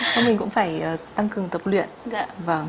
không mình cũng phải tăng cường tập luyện